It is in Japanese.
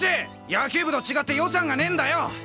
野球部と違って予算がねえんだよ！